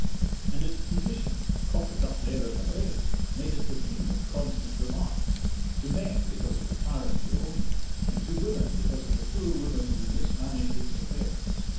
And its position, "cockit up there on the brae," made it the theme of constant remark to men because of the tyrant who owned it, and to women because of the poor woman who mismanaged its affairs.